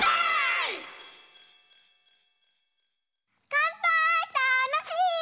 かんぱーいたのしい！